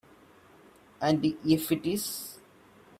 And if it is?